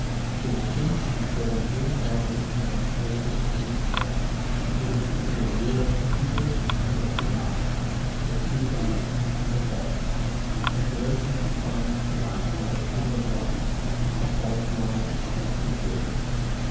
There were things to befall more marvellous than are told in any tale; there was to be a war of the peoples, and of the Gods, the True Gods and the False, and there he should find the last embraces of Love, the False Love and the True.